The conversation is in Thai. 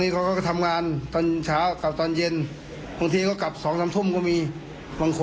ความเชื่อขาวเราติดคุกอีก